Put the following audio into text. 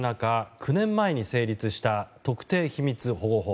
９年前に成立した特定秘密保護法。